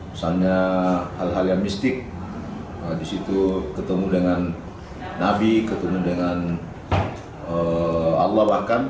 misalnya hal hal yang mistik disitu ketemu dengan nabi ketemu dengan allah bahkan